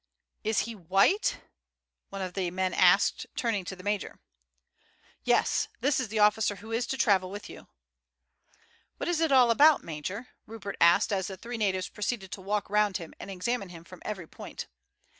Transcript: "Is he white?" one of the men asked, turning to the major. "Yes, this is the officer who is to travel with you." "What is it all about, major?" Rupert asked as the three natives proceeded to walk round him and examine him from every point.